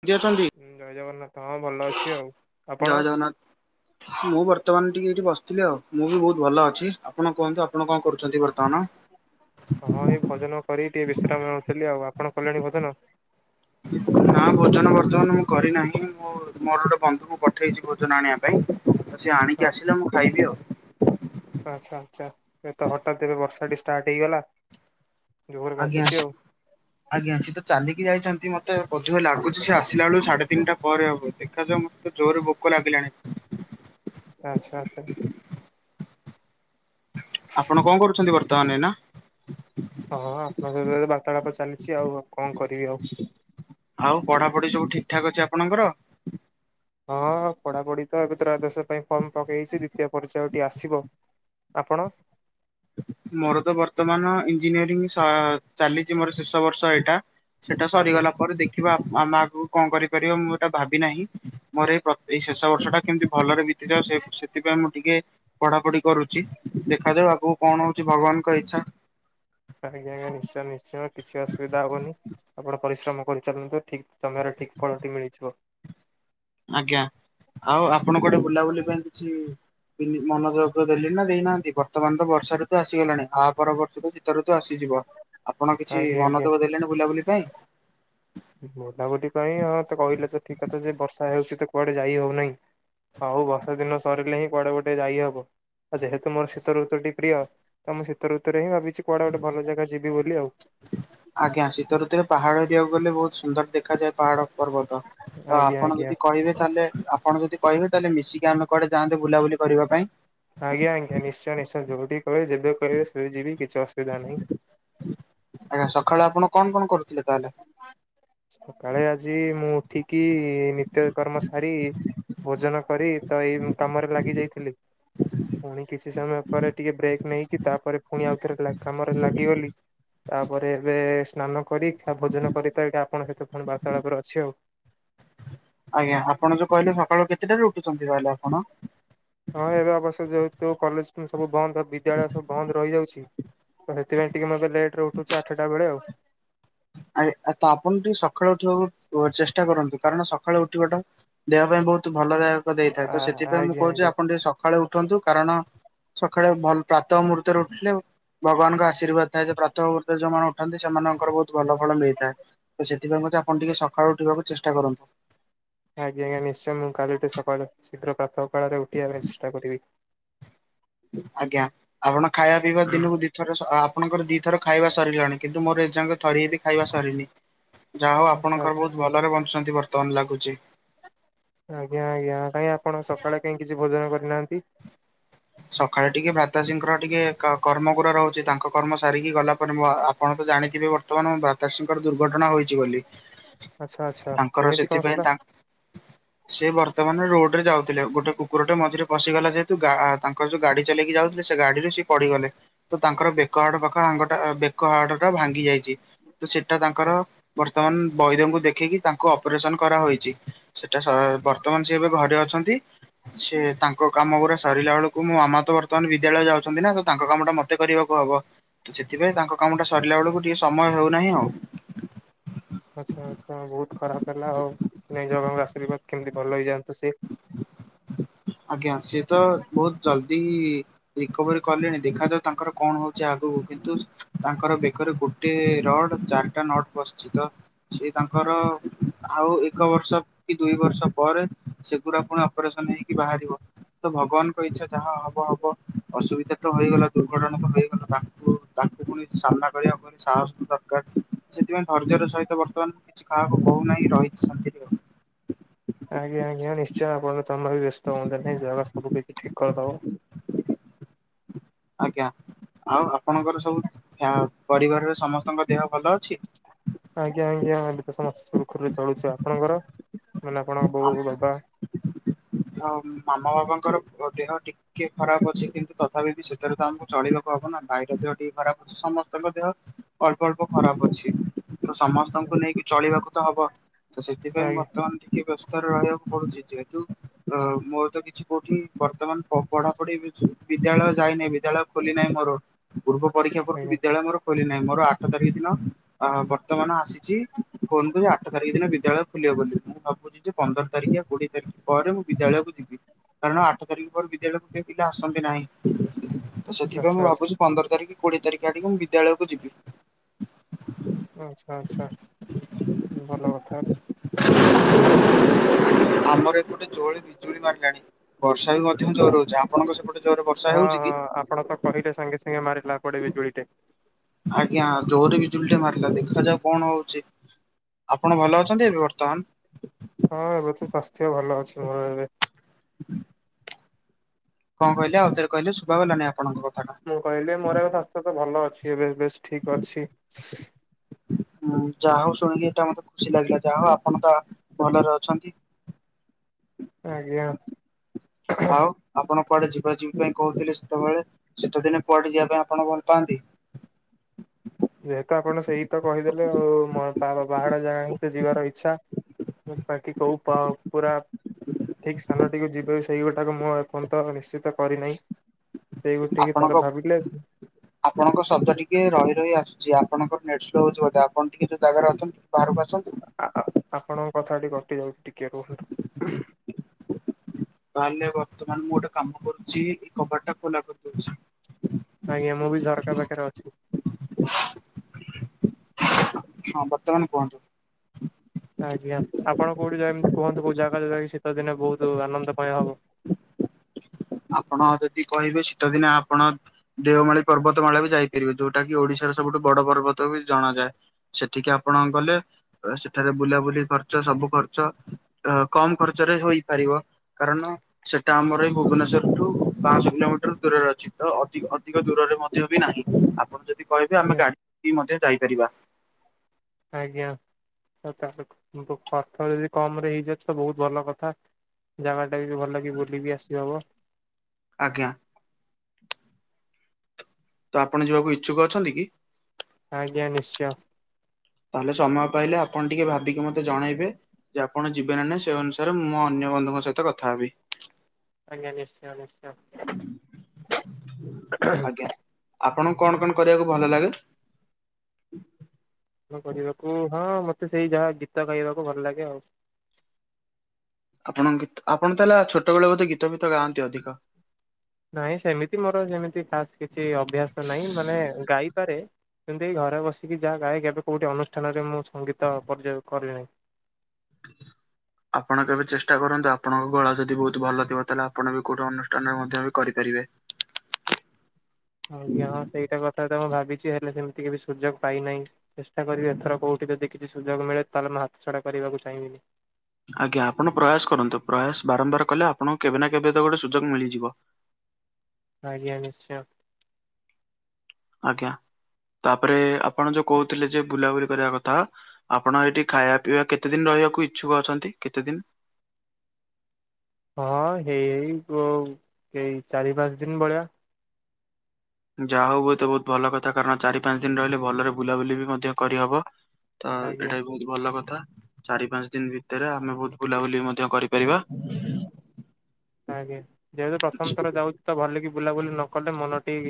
କେମିତି ଅଛନ୍ତି? ଉଁ ଜୟ ଜଗନ୍ନାଥ ହଁ ଭଲ ଅଛି ଆଉ ଜୟ ଆପଣ ଜଗନ୍ନାଥ, ମୁଁ ବର୍ତ୍ତମାନ ଟିକେ ଏଠି ବସିଥିଲି ଆଉ, ମୁଁ ବି ବହୁତ ଭଲ ଅଛି ଆପଣ କୁହନ୍ତୁ ଆପଣ କଣ କରୁଛନ୍ତି ବର୍ତ୍ତମାନ ହଁ ଏଇ ଭୋଜନ କରି ଟିକେ ବିଶ୍ରାମ ନେଉଥିଲି ଆଉ ଆପଣ କଲେଣି ଭୋଜନ [unintelligible] ହଁ ଭୋଜନ ବର୍ତ୍ତମାନ ମୁଁ କରିନାହିଁ ମୁଁ ମୋର ଗୋଟେ ବନ୍ଧୁଙ୍କୁ ପଠେଇଛି ଭୋଜନ ଆଣିବା ପାଇଁ ତ ସେ ଆଣିକି ଆସିଲେ ଆଚ୍ଛା ମୁଁ ଖାଇବି ଆଉ ଆଛା, ଏ ତ ହଠାତ ଏବେ ବର୍ଷାଟି ଷ୍ଟାର୍ଟ ହେଇଗଲା ଜୋରରେ ଆଜ୍ଞା, କାଚୁଛି ଆଉ। ଆଜ୍ଞା ସିଏ ତ ଚାଲିକି ଯାଇଛନ୍ତି ମତେ ଅଧିକା ଲାଗୁଛି ସେ ଆସିଲାବେଳକୁ ସାଢେ ତିନିଟା ପରେ ହବ ଦେଖାଯାଉ ମତ ତେ ଜୋରରେ ଭୋକ ଲାଗିଲାଣି। [inaudible] ଆଚ୍ଛା ଆଚ୍ଛା। ଆପଣ କଣ କରୁଛନ୍ତି ବର୍ତ୍ତମାନ ଏଇ ନା? ହଁଁ ଆପଣଙ୍କ ସହିତ ବାର୍ତ୍ତାଳାପ ଚାଲିଛି ଆଉ କଣ କରିବି ଆଉ? ଆଉ ପଢାପଢି ସବୁ ଠିକଠାକ ଅଛି ଆପଣଙ୍କର? ହଁ ପଢାପଢି ତ ଏବେ ଆଦର୍ଶ ପାଇଁ ଫର୍ମ ପକେଇଛି ଦ୍ୱିତୀୟ ପର୍ଯ୍ୟାୟଟି ଆସିବ। ଆପଣ? ମୋର ତ ବର୍ତ୍ତମାନ ଇଞ୍ଜିନିୟରିଂ ଚାଲିଛି ମୋର ଶେଷ ବର୍ଷ ଏଇଟା। ସେଇଟା ଆଜ୍ଞା ସରିଗଲା ପରେ ଦେଖିବା ଆମ ଆଗକୁ କଣ କରିପାରିବା ମୁଁ ଏଇଟା ଭାବି ନାହିଁ ମୋର ଏଇ ଶେଷ ବର୍ଷ ଟା କେମିତି ଭଲରେ ବିତିଯାଉ ସେଥିପାଇଁ ମୁଁ ଟିକେ ପଢାପଢି କରୁଛି ଦେଖାଦେବ ଆଗକୁ କଣ ଭଗବାନଙ୍କ ଇଚ୍ଛା ଆଜ୍ଞା ଆଜ୍ଞା ନିଶ୍ଚୟ ନିଶ୍ଚୟ କିଛି ଅସୁବିଧା ହବନି। ଆପଣ ପରିଶ୍ରମ କରିଚାଲନ୍ତୁ ଠିକ ସମୟରେ ଠିକ ଫଳଟି ମିଳିଯିବ। ଆଜ୍ଞା ଆଉ ଆପଣଙ୍କ ଗୋଟେ ବୁଲାବୁଲି ପାଇଁ କିଛି ମନ ଦବରୁ ଦେଲି ନା ଦେଇନାହାନ୍ତି ବର୍ତ୍ତମାନ ତ ବର୍ଷାାରେ ତ ଆସିଗଲାଣି ଆ ପରବର୍ତ୍ତୀ ସବୁ ଶୀତ ଋତୁ ଆସିଯିବ ଆପଣ କିଛି ଆଜ୍ଞା ଆଜ୍ଞା। ମନୋଯୋଗ ଦେଲେଣି ବୁଲାବୁଲି ପାଇଁ। ବୁଲାବୁଲି ପାଇଁ ହଁ ତ କହିଲେ ତ ଠିକ କଥା ଯେ ବର୍ଷା ହେଉଛି ତ କୁଆଡେ ଯାଇ ହଉନାହିଁ। ହଉ ବର୍ଷା ଦିନ ସରିଲେ ହିଁ କୁଆଡେ ଗୋଟେ ଯାଇ ହବ। ଆଉ ଯେହେତୁ ମୋର ଶୀତଋତୁଟି ପ୍ରିୟ ତ ମୁଁ ଶୀତଋତୁରେ ଭାବିଛି କୁଆଡା ଗୋଟେ ଭଲ ଜାଗା ଯିବି ବୋଲି ଆଉ। ଆଜ୍ଞା ଶୀତ ଋତୁରେ ପାହାଡ ଏରିବାକୁ ଗଲେ ବହୁତ ସୁନ୍ଦର ଦେଖାଯାଏ ପାହାଡ ପର୍ବ ତ ତ ଆଜ୍ଞା ଆପଣ ଆଜ୍ଞା ଯଦି କହିବେ ତାହେଲେ ଆପଣ ଯଦି କହିବେ ତାହେଲେ ମିଶିକି ଆମେ କୁଆଡେ ଯାଆନ୍ତେ ବୁଲାବୁଲି କରିବା ପାଇଁ। ଆଜ୍ଞା ଆଜ୍ଞା ନିଶ୍ଚୟ ନିଶ୍ଚୟ ଯୋଉଠି କହିବେ ଯେବେ କହିବେ ସେ ଯିବି କିଛି ଅସୁବିଧା ନାହିଁ। ଆଜ୍ଞା ସକାଳୁ ଆପଣ କଣ କଣ କରୁ ସକାଳେ ଆଜି ମୁଁ ଉଠିକି ନିତ୍ୟ କର୍ମ ସାରି ଭୋଜନ କରି ତ ଏଇ କାମରେ ଲାଗି ଯାଇଥିଲି। ପୁଣି କିଛି ସମୟ ପରେ ଟିକେ ବ୍ରେକ୍ ନେଇକି ତାପରେ ପୁଣି ଆଉଥରେ କାମରେ ଲାଗିଗଲି। ତାପରେ ଏବେ ସ୍ନାନ କର ଭୋଜନ କରିଥାଏ ଆପଣଙ୍କ ସହିତ କଣ ବାର୍ତ୍ତାଳାପରେ ଅଛି ଆଉ। ଆଜ୍ଞା ଆପଣ ଯୋଉ କହିଲେ ସକାଳୁ କେତେଟାରୁ ଉଠୁଛନ୍ତି ତାହାଲେ ଆପଣ? ହଁ ଏବେ ଅବଶ୍ୟକ ଯେହେତୁ କଲେଜ ସବୁ ବନ୍ଦ ବିଦ୍ୟାଳୟ ସବୁ ବନ୍ଦ ରହିଯାଉଛି। ସେଥିପାଇଁ ଟିକେ ମତେ ଲେଟ ରେ ଉଠୁଛି ଆଠଟାବେଳେ ଆଉ। ଆ ତ ଆପଣ ଟିକେ ସକାଳେୁ ଉଠିବାକୁ ଚେଷ୍ଟା କରନ୍ତୁ କାରଣ ସ ସକାଳୁ ଉଠିବାଟା ଦେହ ପାଇଁ ବହୁତ ଭଲଦାୟକ ଦେଇଥାଏ ତ ସେଥିପାଇଁ ମୁଁ ଆଜ୍ଞା କହୁଛି ଆଜ୍ଞା। ଆପଣ ଟିକେ ସକାଳେ ଉଠନ୍ତୁ କାରଣ ସକାଳେ ଭଲ ପ୍ରାତଃ ମୁହୂର୍ତ୍ତରେ ଉଠିଲେ ଭଗବାନଙ୍କ ଆଶୀର୍ବାଦ ଆଶୀର୍ବାଦଥାଏ ଯେ ପ୍ରଥମମୂହୁର୍ତ୍ତରେ ଯୋଉମାନେ ଉଠନ୍ତି ସେମାନଙ୍କର ବହୁତ ଭଲ ଫଳ ମିଳିଥାଏ ତ ସେଥିପାଇଁ ଟିକେ ଆପଣ ଟିକେ ସକାଳୁ ଉଠିବାକୁ ଚେଷ୍ଟା କରନ୍ତୁ। ଆଜ୍ଞା ଆଜ୍ଞା ନିଶ୍ଚୟ ମୁଁ କାଲିଠୁ ସକାଳ ଶୀଘ୍ର ପ୍ରାତଃ କାଳରେ ଉଠିବା ପାଇଁ ଚେଷ୍ଟା କରିବି। ଆଜ୍ଞା ଆପଣ ଖାଇବା ପିଇବା ଦିନକୁ ଦି ଥର ଆପଣଙ୍କର ଦି ଥର ଖାଇବା ସରିଲାଣି କିନ୍ତୁ ମୋର ଏଜାଙ୍କେ ଥରିଏବି ଖାଇବା ସରିନି ଯାହା ହଉ ଆଚ୍ଛା ଆପଣଙ୍କର ଆଚ୍ଛା ବହୁତ ଭଲରେ ବଞ୍ଚୁଛନ୍ତି ବ ର୍ତ୍ତମାନ ଲାଗୁଚି। ଆଜ୍ଞା ଆଜ୍ଞା କାଇଁ ଆପଣ ସକାଳେ କାଇଁ କିଛି ଭୋଜନ କରିନାହାନ୍ତି? ସକାଳେ ଟିକେ ଭ୍ରାତା ଶ୍ରୀ ଙ୍କର ଟିକେ କର୍ମ ଗୁରା ରହୁଛି ତାଙ୍କ କର୍ମ ସାରିକି ଗଲା ପରେ ଆପଣ ଜାଣିଥିବେ ବର୍ତ୍ତମାନ ଭ୍ରାତା ଶ୍ରୀଙ୍କର ଦୁର୍ଘଟଣା ହୋଇଛି ବୋଲି। ଆଚ୍ଛା ଆଚ୍ଛା ତାଙ୍କର କେମିତି କଣ ସେଥିପାଇଁ ହେଲା? ତାଙ୍କ ସେ ବର୍ତ୍ତମାନ ରୋଡରେ ଯାଉଥିଲେ ଗୋଟେ କୁକୁରଟେ ମଝିରେ ପଶିଗଲା ଯେହେତୁ ଗା ତାଙ୍କର ଯୋଉ ଗାଡି ଚଲେଇକି ଯାଉଥିଲେ ସେ ଗାଡିରୁ ସିଏ ପଡିଗଲେ ତ ତାଙ୍କର ବେକହାଡ ପାଖ ଅଙ୍ଗଟା ବେକ ହାଡଟା ଭାଙ୍ଗି ଯାଇଛି ତ ସେଟା ତାଙ୍କର ବର୍ତ୍ତମାନ ବୈଦଙ୍କୁ ଦେଖେଇକି ତାଙ୍କୁ ଅପରେସନ୍ କରାହୋଇଛି ସେଟା ବର୍ତ୍ତମାନ ସିଏ ଏବେ ଘରେ ଅଛନ୍ତି। ସେ ତାଙ୍କ କାମ ଗୁଡା ସରିଲା ବେଳକୁ, ମୋ ମାମା ତ ବର୍ତ୍ତମାନ ବିଦ୍ୟାଳୟ ଯାଉଛନ୍ତି ନା, ତ ତାଙ୍କ କାମ ଟା ମତେ କେତେ କରିବାକୁ ହବ, ତ ସେଥିପାଇଁ ତାଙ୍କ କାମ ଟା ସରିଲା ବେଳକୁ ଟିକେ ସମୟ ହଉନାହିଁ ଆଉ ଆଛା, ଆଛା, ବହୁତ ଖରାପ ହେଲା ଆଉ, କିଛି ନାଇଁ, ଜଗାଙ୍କ ଆଶୀର୍ବାଦ କେମିତି ଭଲ ହେଇଯାନ୍ତୁ। ତ ସେ ଆଜ୍ଞା, ସିଏ ତ ବହୁତ ଜଲ୍ଦି ରିକଭରି କଲେଣି, ଦେଖାଯାଉ ତାଙ୍କର କଣ ହଉଛି? ଯା କୁହ କିନ୍ତୁ ତାଙ୍କର ବେକରେ ଗୋଟେ ରଡ, ଚାରିଟା ନଡ ପଶଚିତ, ସେ ତାଙ୍କର ଆଉ ଏକ ବର୍ଷ କି, ଦୁଇ ବର୍ଷ ପରେ, ସେଗଡ଼ା ପୁଣି ଅପରେସନ ହେଇକି ବାହାରିବ। ତ ଭଗବାନଙ୍କ ଇଚ୍ଛା ଯାହା ହବ, ହବ, ଅସୁବିଧା ତ ହେଇଗଲା, ଦୁର୍ଘଟଣା ତ ହେଇଗଲା, ତାଙ୍କୁ ତାଙ୍କୁ ପୁଣି ସାମ୍ନା କରିବାକୁ ସାହସ ଦରକାର କି? ସେଥିପାଇଁ ଧୈର୍ଯ୍ୟର ସହିତ ବର୍ତ୍ତମାନ କିଛି କାହାକୁ କହୁନାହିଁ, ରହିଛି ଶାନ୍ତିରେହ ଆଜ୍ଞା, ଆଜ୍ଞା। ନି ଆପଣ ତମେ ବି ବ୍ୟସ୍ତ ହୁଅନ୍ତୁ ନି, ଜଗା ସବୁ କିଛି ଠିକ କରିଦବ। ଆଜ୍ଞା, ଆଉ ଆପଣଙ୍କର ସବୁ ପରିବାରରେ ସମସ୍ତଙ୍କ ଦେହ ଭଲ ଅଛି? ଆଜ୍ଞା, ଆଜ୍ଞା, ଏ ତ ସମସ୍ତେ ସୁରୁଖୁରୁରେ ଚଳୁଛୁ ଆପଣଙ୍କର? ମାନେ ଆପଣଙ୍କ ମାମା ବୋଉ ବାବା ବାପା ତାଙ୍କର ଦେହ ଟିକେ ଖରାପ ଅଛି କିନ୍ତୁ ତଥାପି ବି ସେଥିରେ ତ ଆମକୁ ଚଳିବାକୁ ହବ ନା, ଭାଇର ଦେହ ଟିକେ ଖରାପ ସମସ୍ତଙ୍କ ଦେହ ଅଳ୍ପ ଅଳ୍ପ ଖରାପ ଅଛି। ତ ସମସ୍ତଙ୍କୁ ନେଇକି ଚଳିବାକୁ ତ ହବ ତ ସେଥିପାଇଁ ଆଜ୍ଞା ବର୍ତ୍ତମାନ ବ୍ୟସ୍ତାରେ ରହିବାକୁ ପଡୁଛି, ଯେହେତୁ ଅ ମୋର ତ କିଛି କୋଉଠି ବର୍ତ୍ତମାନ ପଢାପଢି, ବିଦ୍ୟାଳୟ ଯାଇନହିଁ ବିଦ୍ୟାଳୟ ଖୋଲି ନାହିଁ ମୋର। ପୂର୍ବ ପରୀକ୍ଷା ପରଠୁ ଆଜ୍ଞା ବିଦ୍ୟାଳୟ ମର ଖୋଲି ନାହିଁ, ମୋର ଆଠ ତାରିଖ ଦିନ ଅ ବର୍ତ୍ତମାନ ଆସିଛି ଫୋନ କୁ ଆଠ ତାରିଖ ଦିନ ବିଦ୍ୟାଳୟ ଖୋଲିବ ବୋଲି, ମୁଁ ଭାବୁ- ବୁ ଯେ ପନ୍ଦର ତାରିଖ, କୋଡିଏ ତାରିଖ, ପରେ ମୁଁ ବିଦ୍ୟାଳୟକୁ ଯିବି। କାରଣ -ଆଠ ତାରିଖ ପରେ କି ପିଲା ଆସନ୍ତି ନାହିଁ, ତ ସେଥିପାଇଁ ଆଚ୍ଛା ମୁଁ ଆଚ୍ଛା ଭାବୁଛି ପନ୍ଦର ତାରିଖ କୋଡିଏ ତାରିଖ ଆଡିକି ମୁଁ ବିଦ୍ୟାଳୟକୁ ଯିବି। ଆଚ୍ଛା ଆଚ୍ଛା ଭଲ କଥା। ଆମର ଏ ଗୋଟେ ଜୋଳି ବିଜୁଳି ମାରିଲାଣି। ବର୍ଷା ବି ମଧ୍ୟ ଜୋର ହଉଛି, ଆପଣଙ୍କ ସେପଟେ ଜୋରରେ ବର୍ଷା ହଁ ହେଉଛି କି? ହଁ [unintelligible] ଟେ ଆଜ୍ଞା, ଜୋରରେ ବି ବିଜୁଳିଟେ ମାରିଲା ଦେଖାଯାଉ କଣ ହଉଛି? ଆପଣ ଭଲ ଅଛନ୍ତି ଏବେ ବର୍ତ୍ତମାନ? ହଁ ଏବେ ତ ସ୍ୱାସ୍ଥ୍ୟ ଭଲ ଅଛି ମୋର ଏବେ ହ [unintelligible] କଣ କହିଲେ ଆଉଥରେ କହିଲେ ଶୁଭାଗଲାନି ଆପଣଙ୍କ କଥାଟା। ମୁଁ କହିଲି ମୋର ସ୍ୱାସ୍ଥ୍ୟ ତ ଭଲ ଅଛି, ବେଶ ବେଶ ଠିକ ଅଛି। ଉ ଯା ହଉ ଶୁଣିକି ଏଇଟା ମତେ ଖୁସି ଲାଗିଲା, ଯା ହଉ ଆପଣ ତ ଭଲରେ ଅଛନ୍ତି। ଆଜ୍ଞା। ଆଉ ଆପଣ? କୁଆଡେ ଯିବା ଯିବି ପାଇଁ କହୁଥିଲେ ସେତେବେଳେ। ଶୀତ ଦିନେ କୁଆଡେ ଯିବା ପାଇଁ ଆପଣ ଭଲ ପାଆନ୍ତି? [inaudible] ଯେହେତୁ ଆପଣ ସେଇ ତ କହିଦେଲେ ଆଉ, ବାହାଡ ଜାଗା ହିଁ ତ ଯିବାର ଇଛା। ବାକି କହୁ ପୁରା ଠିକ୍ ସ୍ଥାନଟିକୁ ଯିବେ, ସେଇଗୁଟାକୁ ମୁଁ ଏପର୍ଯ୍ୟନ୍ତ ନିଶ୍ଚିତ କରିନାହିଁ। ସେଇ ଗୋଟିକି ଥରେ ଆପଣଙ୍କ ଭାବିଲେ ଆପଣଙ୍କ ଶବ୍ଦ ଟିକେ ରହି ରହି ଆସୁ ଯ ଆପଣଙ୍କର ନେଟ ସ୍ଲୋ ହଉଛି ବୋଧ, ଆପଣ ଟିକେ ଯୋଉ ଜାଗ ଅଛନ୍ତି ବାହାରକୁ ଆସନ୍ତୁ। ଆପଣଙ୍କ କଥା ଟ କଟି ଯାଉଛି ଟିକେ ରୁହନ୍ତୁ। ତାହେଲେ ବର୍ତ୍ତମାନ ମୁଁ ଗୋଟେ କାମ କରୁଛି, ଏଇ କବାଟା ଖୋଲା କରିଦଉଛି। ଆଜ୍ଞା, ମୁଁ ବି ଝରକା ପାଖରେ ଅଛି। ହଁ ବର୍ତ୍ତମାନ କୁହନ୍ତୁ? ଆଜ୍ଞା ଆପଣ କୋଉଠି ଏମିତି କୁହନ୍ତୁ କୋଉ ଜାଗା ଯ ଯାଇକି ଶୀତ ଦିନେ ବହୁତ ଆନନ୍ଦମୟ ହବ ହ ଆପଣ ଯଦି କହିବେ ଶୀତଦିନେ ଆପଣ ଦେଓମାଳି ପର୍ବତମାଳା ବି ଯାଇପାରିବେ ଯୋଉଟା କି ଓଡିଶା ସବୁଠୁ ବଡ ପର୍ବତ ବି ଜଣାଯାଏ ସେଠିକି ଆପଣ ଗଲେ ସେଠାରେ ବୁଲାବୁଲି ଖର୍ଚ୍ଚ ସବୁ ଖର୍ଚ୍ଚ କମ ଖର୍ଚ୍ଚରେ ହେଇପାରିବ କାରଣ ସେଟା ଆମର ଏଇ ଭୁବନେଶ ପାଞ୍ଚଶ କିଲୋମିଟର ଦୂରରେ ଅଛି ତ ଅଧିକ ଦୂରରେ ମଧ୍ୟ ବି ନାହିଁ, ଆପଣ ଯଦି ଯି କହିବେ ଆମେ ଆଜ୍ଞା ଗାଡି ମଧ୍ୟ ଯାଇପାରିବା। ଆଜ୍ଞା। ତାହେଲେ କି ଅର୍ଥ ଯଦି କମ ରେ ହେଇଯାଏ ତ ବୋହୁତ ଭଲ କଥା। ଜାଗା ଟା ବି ଭଲ କି ବୁଲ ବିି ଆସି ହବ। ଆଜ୍ଞା। ତ ଆପଣ ଯିବାକୁ ଇଚ୍ଛୁକ ଅଛନ୍ତି କି? ଆଜ୍ଞା ନିଶ୍ଚୟ। ତାହେଲେ ସମୟ ପାଇଲେ ଆପଣ ଟିକେ ଭାବିକି ମତେ ଜଣେଇବେ ଯେ ଆପଣ ଯିବେ ନା ନାଇଁ ସେ ଅନୁସାରେ ମୁଁ ଅନ୍ୟ ବନ୍ଧୁଙ୍କ ସହିତ କଥା ହେବି। ଆେଇମାନେ ଆଜ୍ଞା ଆ ଆପଣଙ୍କୁ କଣ କଣ କରିବାକୁ ଭଲ ଲାଗେ? କ କରିବାକୁ ହଁ ମତେ ସେଇ ଯାହା ଗୀତ ଗାଇବାକୁ ଭଲ ଲାଗେ ଆଉ। ଆପଣଙ୍କ ଗୀତ ଆପଣ ତ ହେଲା ଛୋଟବେେଳେ ବୋଧେ ଗୀତ ଗ ନାଇଁ ସେମିତି ମୋର ଯେମିତି ଖାସ୍ କି କିଛି ଅଭ୍ୟାସ ନାହିଁ ମାନେ ଗାଇପାରେ ସେମିତି ଏ ଘରେ ବସିକି ଯାହା ଗାଏ କେ ଏବେ କୋଉଠି ଅନୁଷ୍ଠାନରେ ମୁଁ ସଙ୍ଗୀତ ପରିଚୟ କଲି ନାହିଁ। ହ ଆପଣ କେବେ ଚେଷ୍ଟା କରନ୍ତୁ ଆପଣଙ୍କ ଗଳା ଯଦି ବୋହୁତ ଭଲ ଥିବ ତାହେଲେ ଆପଣ ବି କୋଉଠି ଅନୁଷ୍ଠାନରେ ମଧ୍ୟ ବି କରିପାରୀ [unintelligible] ଆଜ୍ଞା ହଁ ସେଇଟା କଥା ତ ମୁଁ ଭାବିଚି ହେଲେ ସେମି ଏତିକି ବି ସୁଯୋଗ ପାଇନାହିଁ ଚେଷ୍ଟା କରିବି ଏଥର କେଉଁଠି ଯଦି କିଛି ସୁଯୋଗ ମିଳେ ତାହେଲେ ମୁଁ ହାତଛଡ଼ା କରିବାକୁ ଚାହିଁବିନି। ଆଜ୍ଞା ଆପଣ ପ୍ରୟାସ କରନ୍ତୁ, ପ୍ରୟାସ ବାରମ୍ବାର କଲେ ଆପଣଙ୍କୁ କେବେ ନା କେବେ ତ ଗୋଟେ ସୁଯୋଗ ମିଳିଯିବ। ଆଜ୍ଞା ନିଶ୍ଚୟ। ଆଜ୍ଞା। ତାପରେ ଆପଣ ଯୋଉ କହୁଥିଲେ ଯେ ବୁଲାବୁଲି କରିବା କଥା ଆପଣ ଏଇଠି ଖାଇବା ପିଇବା କେତେ ଦିନ ରହ ରହକୁ ଇଚ୍ଛୁକ ଅଛନ୍ତି କେତେ ଦିନ? ହଁ ହେଇଇ ଏଇ ଚାରି ପାଞ୍ଚ ଦିନ ଭଳିଆ ଯାହା ହୋଉ ତ ବିହୁତ ଭଲ କଥା କାରଣ ଚାରି ପାଞ୍ଚ ଦିନ ରହିଲେ ଭଲରେ ବୁଲାବୁଲି ବି ମଧ୍ୟ କରିହେବ। ତ ଆଜ୍ଞା ଏଇଟା ବି ବୋ ଲହୁତ ଭଲ କଥା ଚାରି ପାଞ୍ଚ ଦିନ ଭିତରେ ଆମେ ବୋହୁତ ବୁଲାବୁଲି କରିପାରିବା। ଆଜ୍ଞା ଯେହେତୁ ପ୍ରଥମ ଥର ଯାଉଚି ତ ଭଲିକି ବୁଲାବୁଲି ନ କଲେ ମନଟି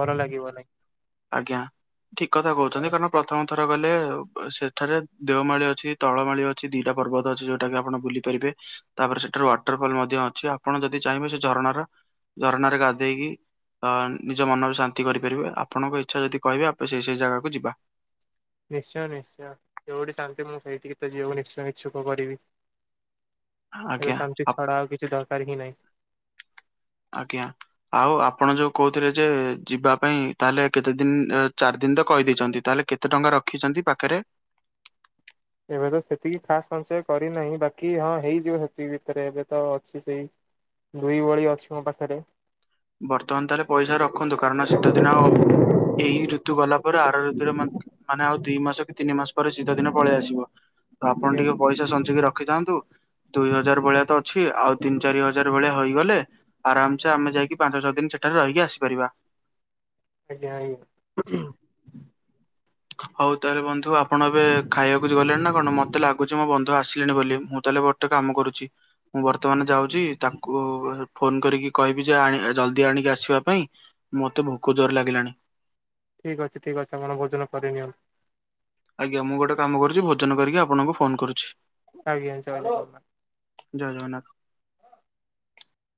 ଭଲ ଲାଗିବ ନାଇ ଆଜ୍ଞା ଠିକ କଥା ନାହିଁ। କହୁଛନ୍ତି କାରଣ ପ୍ରଥମ ଥର ଗଲେ ସେଠାରେ ଦେଓମାଳି ଅଛି ତଳମାଳି ଅଛି ଦିଟା ପର୍ବତ ଅଛି ଯୋଉଟା କି ଆପଣ ବୁଲି ପାରିବେ, ତାପରେ ସେଠାରୁ ୱାଟର ଫଲ ମଧ୍ୟ ଅଛି, ଆପଣ ଯଦି ଚାହିଁବେ ସେ ଝରଣାର ଝରଣାରେ ଗାଧେଇକି ଅ ନିଜ ମନରେ ଶାନ୍ତି କରିପାରିବେ ଆପଣଙ୍କ ଇଚ୍ଛା ଯଦି କହିବେ ଆପେ ସେଇ ସେଇ ଜାଗାକୁ ଯିବା। ନିଶ୍ଚୟ ନିଶ୍ଚୟ ଯୋଉଠି ଶାନ୍ତି ମୁଁ ସେଇଠିକି ତ ଯିବାକୁ ନିଶ୍ଚୟ ଇଛୁକ କରିବି। ଏବେ ଆଜ୍ଞା ଶାନ୍ତି ଆ ଛଡା ଆଉ କିଛି ଦରକାର ହିଁ ନାହିଁ। ଆଜ୍ଞା ଆଉ ଆପଣ ଯୋଉ କହୁଥିଲେ ଯେ ଯିବା। ପାଇଁ ତାହେଲେ କେତେ ଦିନ ଚାରି ଦିନ ତ କହିଦେଇଛନ୍ତି, ତାହେଲେ କେତେ ଟଙ୍କା ରଖିଛନ୍ତି ପାଖରେ? ଏବେ ତ ସେତିକି ଖାସ ସଞ୍ଚୟ କରିନାହିଁ ବାକି ହଁ ହେଇଯିବ ସେତିକି ଭିତରେ ଏବେ ତ ଅଛି ସେଇ ଦୁଇ ଭଳି ଅଛିଙ୍କ ପାଖରେ। ବର୍ତ୍ତମାନ ତାହେଲେ ପଇସା ରଖନ୍ତୁ କାରଣ ଶୀତେ ଦିନ ଆଉ ହ-ଏଇ ଋତୁ ଗଲା ପରେ ଆର ଋତୁରେ ମଧ୍-ମାନେ ଆଉ ଦୁଇମାସ କି ତିନିମାସ ପରେ ଶୀଧ ଦିନ ପଳେଆସିବ। ତ ଆପଣ ଆଜ୍ଞା ଟିକେ ପଇସା ସଞ୍ଚିକି ରଖିଥାନ୍ତୁ। ଦୁଇ ହଜାର ଭଳିଆ ତ ଅଛି ଆଉ ତିନ ଚାରି ହଜାର ଭଳିଆ ହୋଇଗଲେ ଆରାମସେ ଆମେ ଯାଇକି ପାଞ୍ଚ ଛଅ ଦିନ ସେଠାରେ ରହିକି ଆସିପାରିବା। ଆ ଯାଇନି ହୋଉ ତାହେଲେ ବନ୍ଧୁ ଆପଣ ଏବେ ଖାଇବାକୁ ଗଲେଣି ନା କଣ ମତେ ଲାଗୁଚି ମୋ ବନ୍ଧୁ ଆସିଲେଣି ବୋଲି ମୁଁ ତା ହେଲେ ଗୋଟେ କାମ କରୁଚି ମୁଁ ବର୍ତ୍ତମାନ ଯାଉଚି ତାକୁ ଏ-ଫୋନ କରି କହିବି ଯେ ଆଣେ-ଜଲ୍ ଲଦି ଆଣିକି ଆସିବା ପାଇଁ ମତେ ଭୋକ ଜୋରେ ଲାଗିଲାଣି। ଠିକଅଛି ଠିକଅଛି ଆମ ଭୋଜନ କରି ନିଅନ୍ ଆଜ୍ଞା ମୁଁ ଗୋଟେ କାମ କରୁଚି ଭୋଜନ କରିକି ଆପଣଙ୍କୁ ଫୋନ କରୁଚି। ଆଜ୍ଞା [unintelligible] ଜୟ ଜଗନ୍ନାଥ।